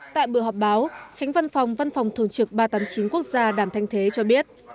tại bữa họp báo tránh văn phòng văn phòng thường trực ba trăm tám mươi chín quốc gia đàm thanh thế cho biết